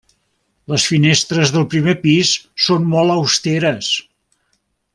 Les finestres del primer pis són molt austeres.